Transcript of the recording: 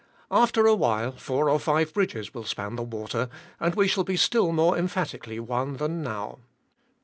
After a while four or five bridges will span the water, and we shall be still more emphatically one than now.